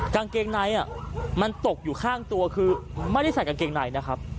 กางเกงในมันตกอยู่ข้างตัวคือไม่ได้ใส่กางเกงในนะครับ